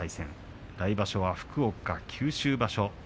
来場所は福岡、九州場所です。